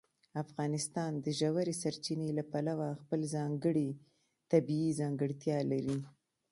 افغانستان د ژورې سرچینې له پلوه خپله ځانګړې طبیعي ځانګړتیا لري.